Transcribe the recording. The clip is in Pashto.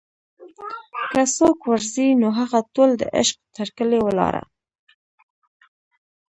که څوک ور ځي نوهغه ټول دعشق تر کلي ولاړه